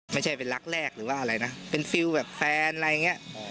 ไม่ใช่เป็นรักแรกหรือว่าอะไรนะเป็นฟิลแบบแฟนอะไรอย่างนี้